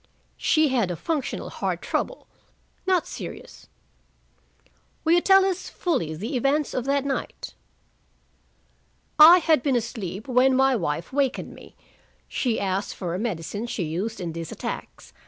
"She had a functional heart trouble, not serious." "Will you tell us fully the events of that night?" "I had been asleep when my wife wakened me. She asked for a medicine she used in these attacks.